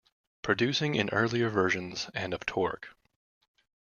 Producing in early versions and of torque.